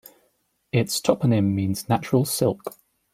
Its toponym means "natural silk".